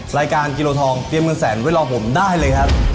รายการกิโลทองเตรียมเงินแสนไว้รอผมได้เลยครับ